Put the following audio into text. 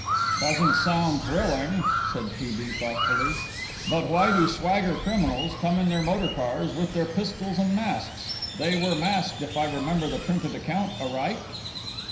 "Doesn't sound thrilling," said T. B. thoughtfully; "but why do swagger criminals come in their motor cars with their pistols and masks they were masked if I remember the printed account aright?"